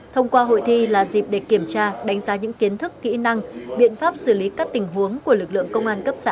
thông qua hội thi là dịp để kiểm tra đánh giá những kiến thức kỹ năng biện pháp xử lý các tình huống của lực lượng công an cấp xã